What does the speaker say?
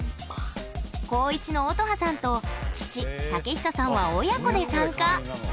高１の乙葉さんと父武壽さんは親子で参加。